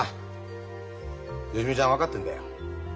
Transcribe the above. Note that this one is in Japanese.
芳美ちゃん分かってんだよ。